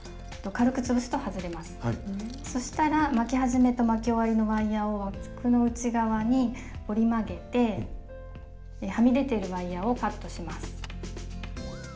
そしたら巻き始めと巻き終わりのワイヤーを枠の内側に折り曲げてはみ出てるワイヤーをカットします。